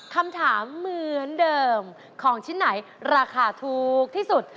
คำถามเหมือนเดิมของชิ้นไหนราคาถูกที่สุด